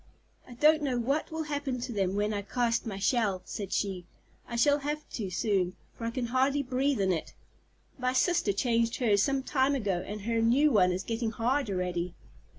"I don't know what will happen to them when I cast my shell," said she. "I shall have to soon, for I can hardly breathe in it. My sister changed hers some time ago, and her new one is getting hard already."